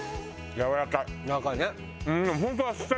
やわらかいね。